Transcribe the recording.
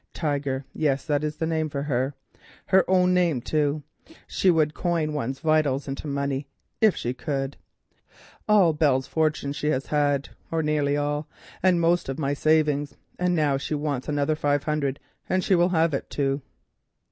Tiger; yes, that is the name for her, her own name, too. She would coin one's vitals into money if she could. All Belle's fortune she has had, or nearly all, and now she wants another five hundred, and she will have it too.